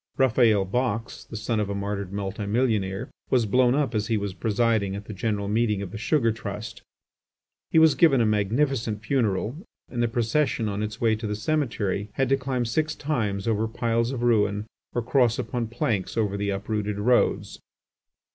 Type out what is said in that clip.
Raphael Box, the son of a martyred multi millionaire, was blown up as he was presiding at the general meeting of the Sugar Trust. He was given a magnificent funeral and the procession on its way to the cemetery had to climb six times over piles of ruins or cross upon planks over the uprooted roads.